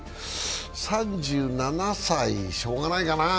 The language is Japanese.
３７歳、しょうがないかな。